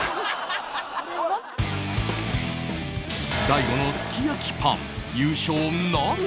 大悟のすき焼きパン優勝なるか？